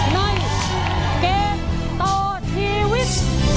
ในเกมต่อชีวิต